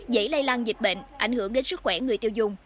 dễ lây lan dịch bệnh ảnh hưởng đến sức khỏe người tiêu dùng